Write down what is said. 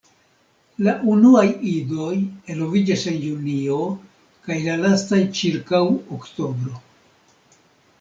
La unuaj idoj eloviĝas en Junio kaj la lastaj ĉirkaŭ Oktobro.